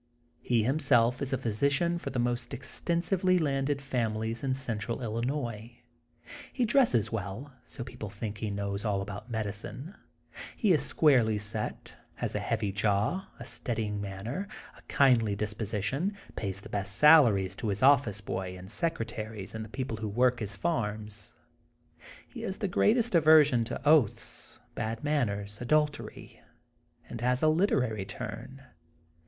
He himself is a physician for the most extensively landed families in central Illinois. He dresses well, so people think he knows all about medi cine. He is squarely set, has a heavy jaw, a steadying manner, a kindly disposition, pays the best salaries to his ofl5ce boy and secre taries and the people who work his farms. He has the greatest aversion to oaths, bad manners, adultery, and has a literary turn.